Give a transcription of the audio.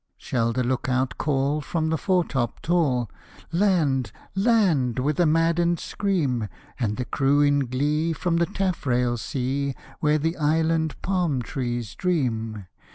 Shall the lookout call from the foretop tall, "Land, land!" with a maddened scream, And the crew in glee from the taffrail see Where the island palm trees dream?